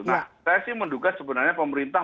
nah saya sih menduga sebenarnya pemerintah